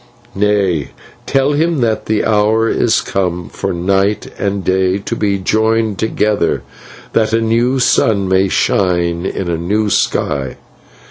"'Nay, tell him that the hour is come for "Night" and "Day" to be joined together, that a new sun may shine in a new sky.'